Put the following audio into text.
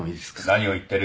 何を言ってる。